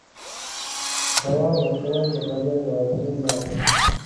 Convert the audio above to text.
دوام ورکول د بریا یوازینۍ لاره ده.